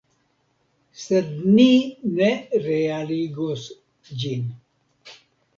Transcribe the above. Sed ni ne realigos ĝin.